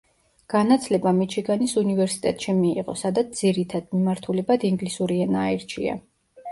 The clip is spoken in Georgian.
განათლება მიჩიგანის უნივერსიტეტში მიიღო, სადაც ძირითად მიმართულებად ინგლისური ენა აირჩია.